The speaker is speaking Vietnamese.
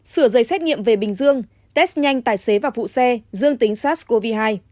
sửa giấy xét nghiệm về bình dương test nhanh tài xế và vụ xe dương tính sars cov hai